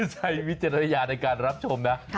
ใช้วิจารณายาในการรับชมนะ